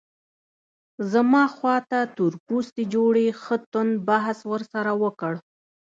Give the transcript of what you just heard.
زما خواته تور پوستي جوړې ښه توند بحث ورسره وکړ.